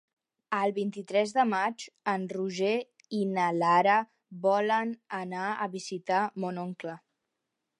El vint-i-tres de maig en Roger i na Lara volen anar a visitar mon oncle.